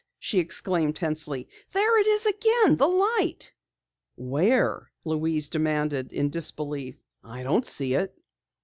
she exclaimed tensely. "There it is again! The light!" "Where?" Louise demanded in disbelief. "I don't see it."